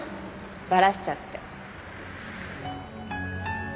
バラしちゃって。